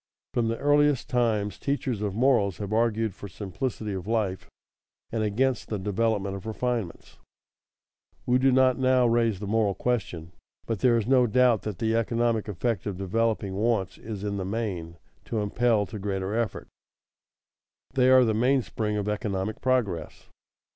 _ From the earliest times teachers of morals have argued for simplicity of life and against the development of refinements. We do not now raise the moral question, but there is no doubt that the economic effect of developing wants is in the main to impel to greater effort. They are the mainspring of economic progress.